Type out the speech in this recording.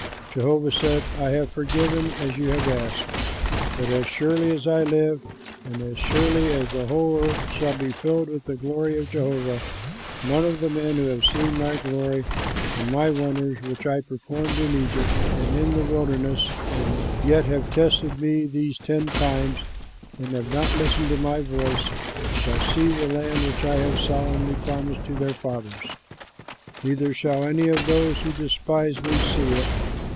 Jehovah said, "I have forgiven as you have asked; but as surely as I live and as surely as the whole earth shall be filled with the glory of Jehovah, none of the men who have seen my glory and my wonders which I performed in Egypt and in the wilderness, and yet have tested me these ten times and have not listened to my voice, shall see the land which I have solemnly promised to their fathers, neither shall any of those who despise me see it.